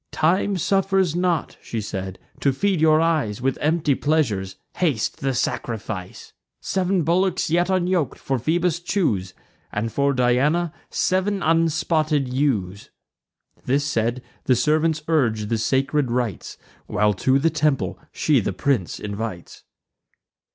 "Time suffers not," she said, "to feed your eyes With empty pleasures; haste the sacrifice. Sev'n bullocks, yet unyok'd, for Phoebus choose, And for Diana sev'n unspotted ewes." This said, the servants urge the sacred rites, While to the temple she the prince invites.